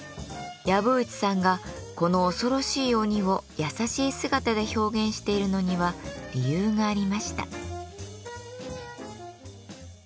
籔内さんがこの恐ろしい鬼を優しい姿で表現しているのには理由がありました。